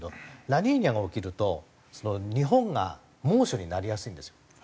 ラニーニャが起きると日本が猛暑になりやすいんですよ。